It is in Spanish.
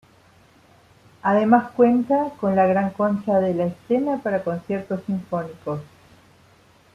Además cuenta, con la gran "concha" de la escena para conciertos sinfónicos.